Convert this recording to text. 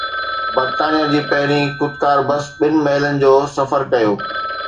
برطانيه جي پهرين خودڪار بس ٻن ميلن جو سفر ڪيو